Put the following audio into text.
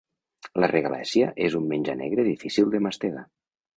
La regalèssia és un menjar negre difícil de mastegar.